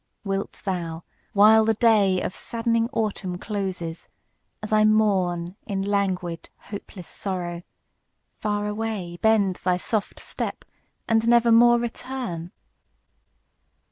Wilt thou, while the day Of saddening autumn closes, as I mourn In languid, hopeless sorrow, far away Bend thy soft step, and never more return?